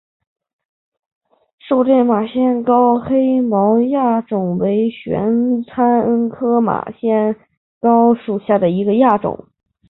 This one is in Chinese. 狭盔马先蒿黑毛亚种为玄参科马先蒿属下的一个亚种。